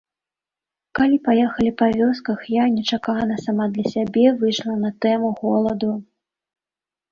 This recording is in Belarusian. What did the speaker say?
Калі паехалі па вёсках, я нечакана сама для сябе выйшла на тэму голаду.